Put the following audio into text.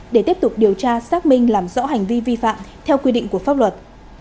để tiếp tục điều tra xác minh làm rõ hành vi vi phạm theo quy định của pháp luật